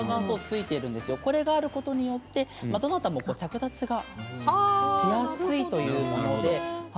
これがあることによってどなたも着脱がしやすいということです。